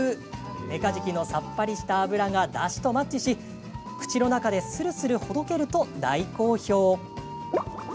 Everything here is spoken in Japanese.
メカジキのさっぱりした脂がだしとマッチし口の中でするするほどけると大好評。